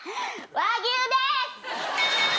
和牛です！